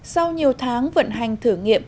sau nhiều tháng vận hành thử nghiệm